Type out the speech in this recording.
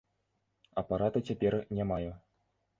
Апарата цяпер не маю.